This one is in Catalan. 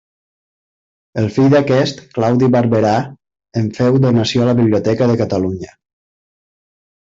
El fill d'aquest, Claudi Barberà, en féu donació a la Biblioteca de Catalunya.